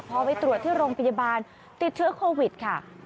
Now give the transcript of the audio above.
พอไปตรวจที่โรงพยาบาลติดเชื้อโควิดค่ะ